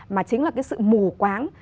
mà chính là cái sự mù quáng